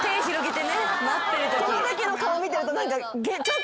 このときの顔見てると何か。